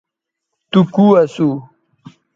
تو کو اسو